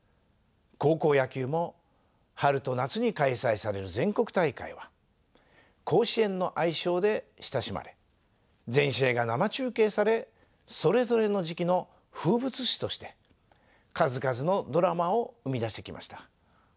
高校野球も春と夏に開催される全国大会は「甲子園」の愛称で親しまれ全試合が生中継されそれぞれの時期の風物詩として数々のドラマを生み出してきました。